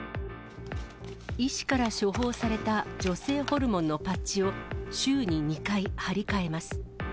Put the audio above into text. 医師から処方された女性ホルモンのパッチを週に２回、貼り替えます。